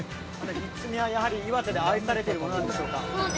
ひっつみは、やはり岩手で愛されているものなんでしょうか。